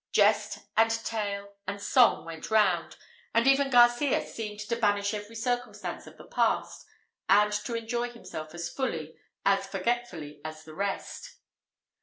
Jest, and tale, and song went round; and even Garcias seemed to banish every circumstance of the past, and to enjoy himself as fully, as forgetfully as the rest.